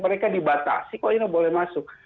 mereka dibatasi kok ini boleh masuk